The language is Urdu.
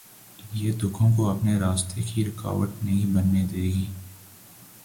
یہ دکھوں کو اپنے راستے کی رکاوٹ نہیں بننے دے گی۔